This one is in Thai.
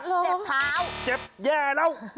เจ็บเท้าเจ็บแย่แล้ว